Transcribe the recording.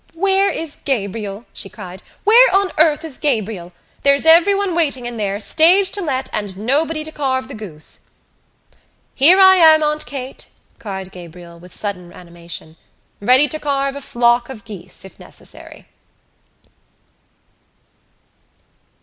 "Where is Gabriel?" she cried. "Where on earth is Gabriel? There's everyone waiting in there, stage to let, and nobody to carve the goose!" "Here I am, Aunt Kate!" cried Gabriel, with sudden animation, "ready to carve a flock of geese, if necessary."